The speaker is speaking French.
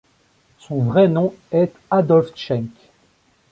Son vrai nom est Adolf Schenk.